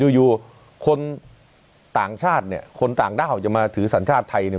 อยู่อยู่คนต่างชาติเนี่ยคนต่างด้าวจะมาถือสัญชาติไทยเนี่ย